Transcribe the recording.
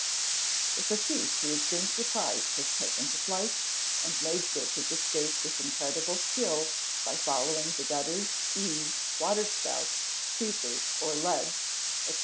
a If a thief who has been surprised has taken to flight, and made good his escape with incredible skill by following the gutters, eaves, water spouts, creepers, or leads, etc.